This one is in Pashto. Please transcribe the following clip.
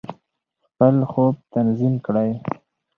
خپل خوب تنظیم کړئ.